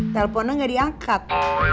teleponnya gak diangkat